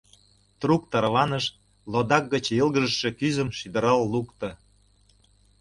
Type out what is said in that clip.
Трук тарваныш, лодак гыч йылгыжше кӱзым шӱдырал лукто.